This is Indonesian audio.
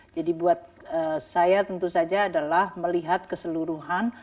jadi buat saya tentu saja adalah melihat keseluruhan